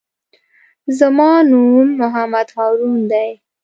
زما نوم محمد هارون دئ.